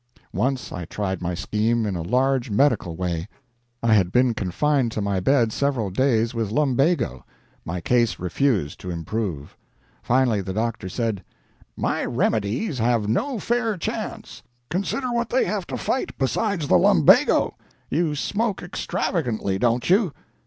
Once I tried my scheme in a large medical way. I had been confined to my bed several days with lumbago. My case refused to improve. Finally the doctor said, "My remedies have no fair chance. Consider what they have to fight, besides the lumbago. You smoke extravagantly, don't you?"